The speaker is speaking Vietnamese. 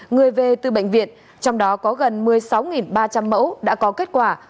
người về từ bệnh viện trong đó có gần một mươi sáu ba trăm linh mẫu đã có kết quả